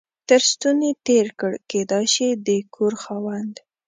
تر ستوني تېر کړ، کېدای شي د کور خاوند.